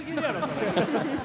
それ。